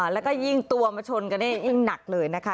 แล้วก็ยิ่งตัวมาชนกันนี่ยิ่งหนักเลยนะคะ